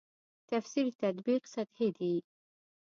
تفسیر تطبیق سطحې دي.